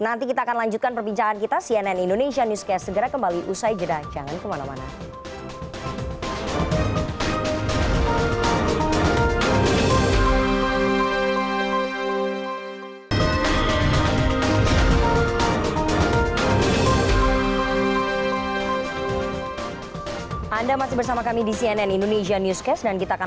nanti kita akan lanjutkan perbincangan kita cnn indonesia newscast